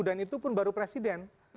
dan itu pun baru presiden